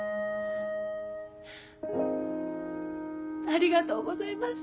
ありがとうございます。